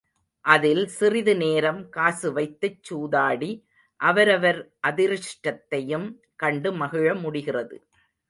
அதில் சிறிது நேரம் காசு வைத்துச் சூதாடி அவரவர் அதிருஷ்டத்தையும் கண்டு மகிழ முடிகிறது.